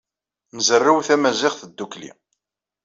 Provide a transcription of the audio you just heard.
Nzerrew tamaziɣt ddukkli.